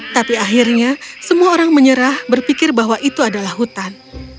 tapi akhirnya semua orang menyerah berpikir bahwa itu adalah hutan